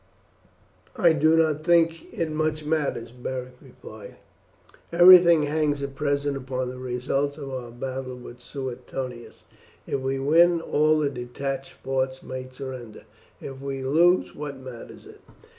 "I do not think it much matters," Beric replied. "Everything hangs at present upon the result of our battle with Suetonius. If we win, all the detached forts must surrender; if we lose, what matters it?"